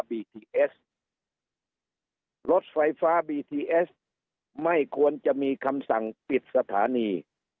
เอสรถไฟฟ้าบีทีเอสไม่ควรจะมีคำสั่งปิดสถานี